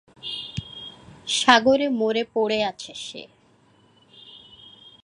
সাগরে মরে পড়ে আছে সে।